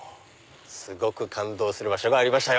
すごく感動する場所がありました。